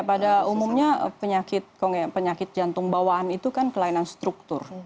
pada umumnya penyakit jantung bawaan itu kan kelainan struktur